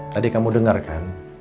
tadi kamu dengar kan